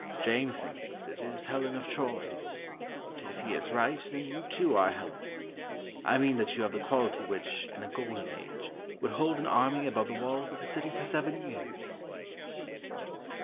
James thinks it is Helen of Troy; and if he is right, then you, too, are Helen. I mean that you have the quality which, in a Golden Age, would hold an army about the walls of a city for seven years."